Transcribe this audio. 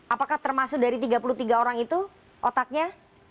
apakah termasuk dari tiga puluh tiga orang itu otaknya